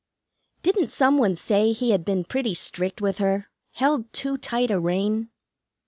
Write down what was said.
"Didn't some one say he had been pretty strict with her? Held too tight a rein?"